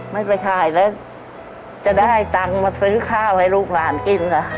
ไม่ไปถ่ายแล้วจะได้ตังค์มาซื้อข้าวให้ลูกหลานกินค่ะ